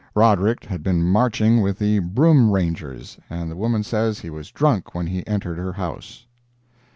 Roderick had been marching with the Broom Rangers, and the woman says he was drunk when he entered her house.